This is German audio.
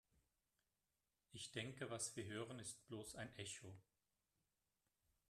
Ich denke, was wir hören, ist bloß ein Echo.